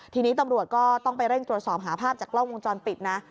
ทีนี้ตำรวจก็ต้องไปเร่งตรวจสอบหาภาพจากกล้องวงจรปิดนะ